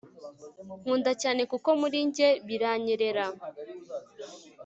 nkunda cyane kuko muri njye biranyerera